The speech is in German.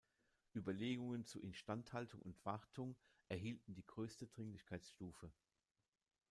Überlegungen zu Instandhaltung und Wartung erhielten die größte Dringlichkeitsstufe.